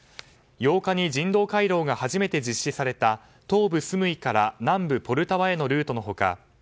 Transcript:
８日に人道回廊が初めて実施された東部スムイから南部ポルタワへのルートの他